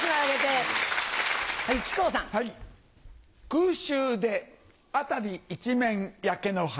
空襲で辺り一面焼け野原